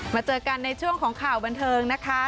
เจอกันในช่วงของข่าวบันเทิงนะคะ